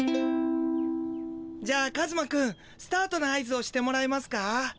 じゃあカズマくんスタートの合図をしてもらえますか？